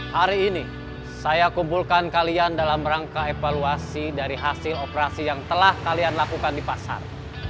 hari ini saya kumpulkan kalian dalam rangka evaluasi dari hasil operasi yang telah kalian lakukan di pasar